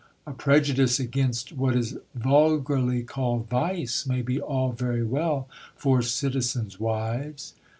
A prejudice against what is vulgarly called vice may be all very well for citizens' wives.